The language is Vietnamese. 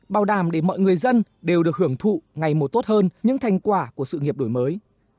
bảo đảm để mọi người dân đều được hưởng thụ ngày một tốt hơn những thành quả của sự nghiệp đổi mới